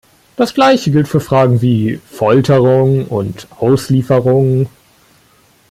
Das Gleiche gilt für Fragen wie Folterung und Auslieferung.